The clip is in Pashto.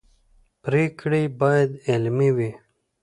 پرېکړې باید عملي وي